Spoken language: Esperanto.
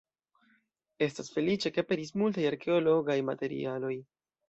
Estas feliĉe, ke aperis multaj arkeologaj materialoj.